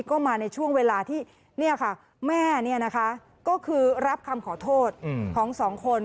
ก็มาในช่วงเวลาที่แม่ก็คือรับคำขอโทษของสองคน